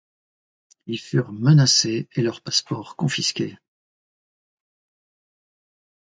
Ils furent menacés et leur passeports confisqués.